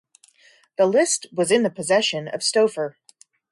The list was in the possession of Stauffer.